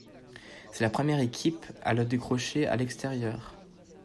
C'est la première équipe à le décrocher à l'extérieur.